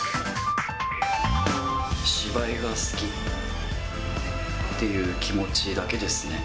芝居が好きっていう気持ちだけですね。